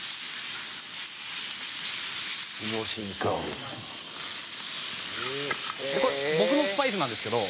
「でこれ僕のスパイスなんですけど」